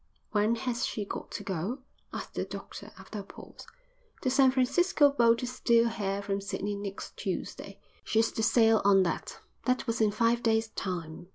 "When has she got to go?" asked the doctor, after a pause. "The San Francisco boat is due here from Sydney next Tuesday. She's to sail on that." That was in five days' time.